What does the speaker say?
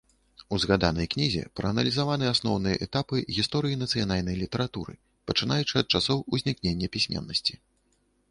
У згаданай кнізе прааналізаваны асноўныя этапы гісторыі нацыянальнай літаратуры, пачынаючы ад часоў узнікнення пісьменнасці.